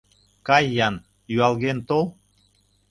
Кай-ян, юалген тол.